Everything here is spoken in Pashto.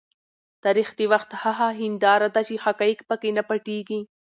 تاریخ د وخت هغه هنداره ده چې حقایق په کې نه پټیږي.